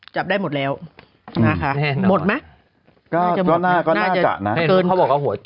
จับได้หมดแล้วอืมนะคะหมดไหมก็น่าก็น่าจะนะเขาบอกว่าหัว